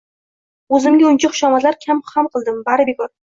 o‘zimcha unga xushomadlar ham qildim. Bari bekor.